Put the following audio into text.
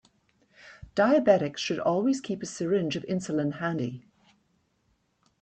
Diabetics should always keep a syringe of insulin handy.